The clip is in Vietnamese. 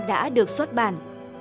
đã được xuất bản